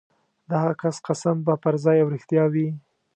د هغه کس قسم به پرځای او رښتیا وي.